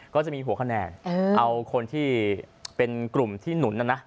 ก็จะมีหัวคะแนนเอาคนที่เป็นกลุ่มที่หนุนนะนะ